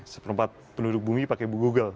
seperempat penduduk bumi pakai bu google